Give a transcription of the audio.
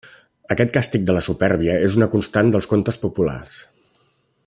Aquest càstig de la supèrbia és una constant dels contes populars.